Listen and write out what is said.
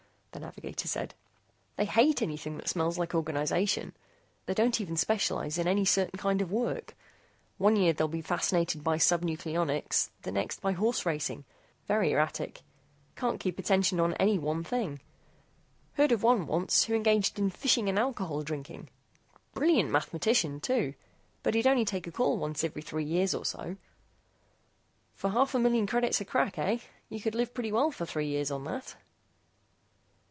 the navigator said. "They hate anything that smells like organization. They don't even specialize in any certain kind of work. One year they'll be fascinated by sub nucleonics, the next by horse racing. Very erratic. Can't keep attention on any one thing. Heard of one once who engaged in fishing and alcohol drinking. Brilliant mathematician, too. But he'd only take a call once every three years or so." "For a half million credits a crack, eh? You could live pretty well for three years on that."